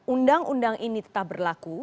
undang undang ini tetap berlaku